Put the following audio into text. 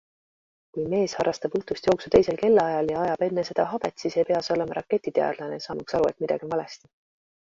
Kui mees harrastab õhtust jooksu teisel kellaajal ja ajab enne seda habet, siis ei pea sa olema raketiteadlane, saamaks aru, et midagi on valesti.